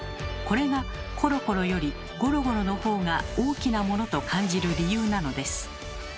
これが「コロコロ」より「ゴロゴロ」の方が大きなものと感じる理由なのです。